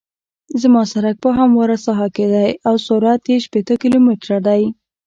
زما سرک په همواره ساحه کې دی او سرعت یې شپیته کیلومتره دی